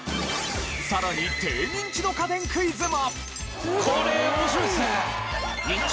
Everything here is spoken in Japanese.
さらに低ニンチド家電クイズも。